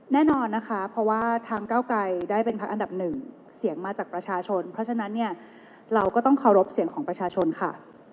แน่นอนนะคะเพราะว่าทางเก้าไกรได้เป็นพักอันดับหนึ่งเสียงมาจากประชาชนเพราะฉะนั้นเนี่ยเราก็ต้องเคารพเสียงของประชาชนค่ะ